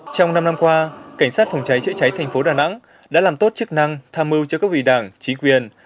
trong năm năm qua cảnh sát phòng cháy chữa cháy thành phố đà nẵng đã làm tốt chức năng tham mưu cho các vị đảng chính quyền